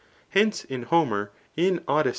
[Hence, in Homer, in Odyss.